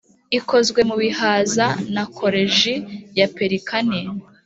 ikozwe mu bihaza na koleji ya pelikani!